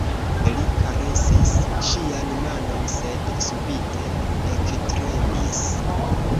Li karesis ŝian manon, sed subite ektremis.